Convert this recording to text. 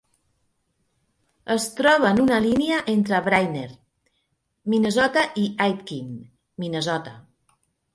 Es troba en una línia entre Brainerd, Minnesota i Aitkin, Minnesota.